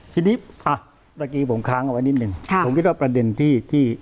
ทีนี้อ่ะตะกี้ผมค้างเอาไว้นิดนึงผมคิดว่าประเด็นที่